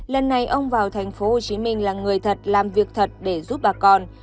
lần này ông vào tp hcm là người thật làm việc thật để giúp bà con